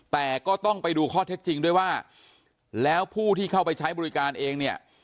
แต่ก็ต้องไปดูข้อเท็จจริงด้วยว่าแล้วผู้ที่เข้าไปใช้บริการเองเนี่ย